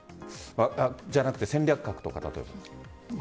じゃなくて戦略核とか。